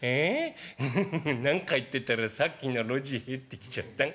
フフフフ何か言ってたらさっきの路地入ってきちゃった。